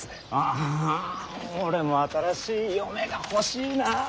あ俺も新しい嫁が欲しいなあ。